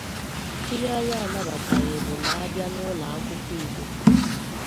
Ihe anyị anabataghị bụ na a bịa n'ụlọakwụkwọ Igbo